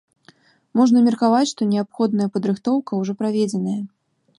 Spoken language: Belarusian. Можна меркаваць, што неабходная падрыхтоўка ўжо праведзеная.